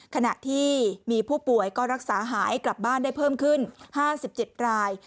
ขณะที่มีผู้ป่วยก็รักษาหายกลับบ้านได้เพิ่มขึ้น๕๗ราย